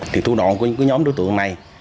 thì thu đoạn của những nhóm đối tượng này